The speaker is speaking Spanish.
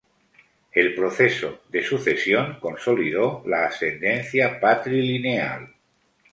El proceso de sucesión consolidó la ascendencia patrilineal.